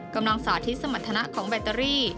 กำลังสาธิตสมรรถณะของแบตเตอรี่